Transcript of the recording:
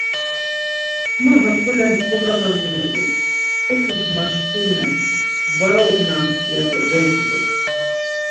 Ma hakolen kogamamiyonit, mtzǩupis maşkurinen, var ognamti? ya do becğu.